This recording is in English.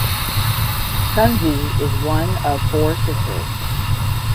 Tunzi is one of four sisters.